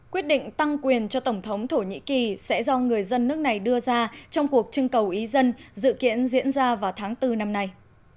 quyết định tăng quyền cho tổng thống thổ nhĩ kỳ sẽ do người dân nước này đưa ra trong cuộc trưng cầu ý dân dự kiến diễn ra vào tháng bốn năm nay